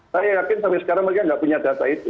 saya yakin sampai sekarang mereka nggak punya data itu